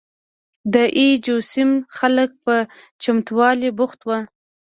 د اي جو سیمې خلک په چمتوالي بوخت وو.